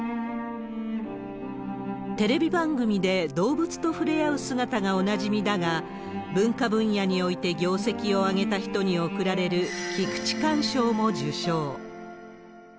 テレビ番組で動物とふれあう姿がおなじみだが、文化分野において業績を挙げた人に贈られる、菊池寛賞も受賞。